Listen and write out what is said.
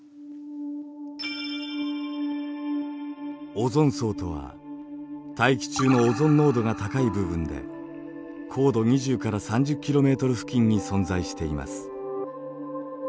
オゾン層とは大気中のオゾン濃度が高い部分で高度２０から３０ｋｍ付近に存在しています。